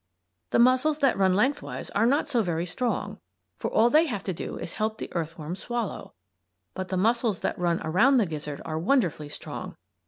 The muscles that run lengthwise are not so very strong, for all they have to do is to help the earthworm swallow, but the muscles that run around the gizzard are wonderfully strong.